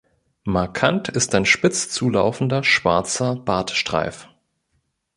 Markant ist ein spitz zulaufender schwarzer Bartstreif.